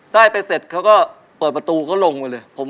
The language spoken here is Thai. ได้ไปเสร็จเขาก็เปิดประตูเขาลงไปเลย